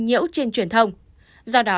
nhễu trên truyền thông do đó